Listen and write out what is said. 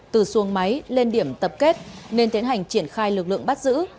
từ xuồng máy lên điểm tập kết nên tiến hành triển khai lực lượng bắt giữ